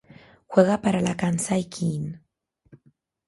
Juega para la Kansai Ki-In.